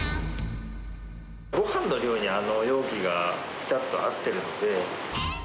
ごはんの量にあの容器がぴたっと合ってるんで。